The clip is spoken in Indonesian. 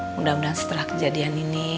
mudah mudahan setelah kejadian ini